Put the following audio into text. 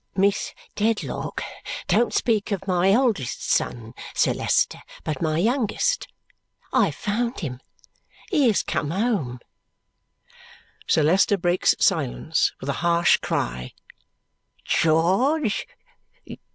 "Miss Dedlock don't speak of my eldest son, Sir Leicester, but my youngest. I have found him. He has come home." Sir Leicester breaks silence with a harsh cry. "George?